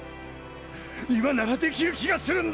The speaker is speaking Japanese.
いまならできるきがするんだ！